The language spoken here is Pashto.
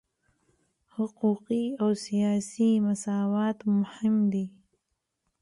حقوقي او سیاسي مساوات مهم دي.